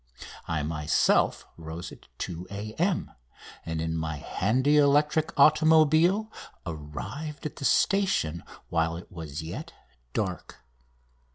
I myself rose at 2 A.M., and in my handy electric automobile arrived at the station while it was yet dark.